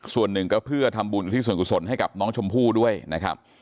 ส่วนหนึ่งก็เพื่อทำบุญอุทิศส่วนกุศลให้กับน้องชมพู่ด้วยนะครับ